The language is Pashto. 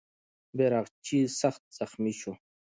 بیرغچی سخت زخمي سو.